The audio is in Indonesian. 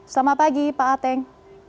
selamat pagi pak ateng